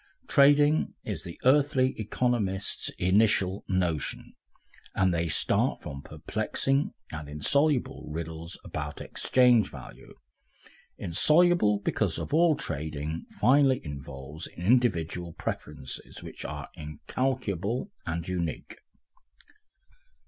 Trading is the earthly economists' initial notion, and they start from perplexing and insoluble riddles about exchange value, insoluble because all trading finally involves individual preferences which are incalculable and unique.